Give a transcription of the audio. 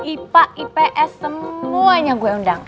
ipa ips semuanya gue undang